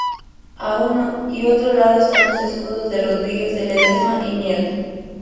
A uno y otro lado están los escudos de Rodríguez de Ledesma y Nieto.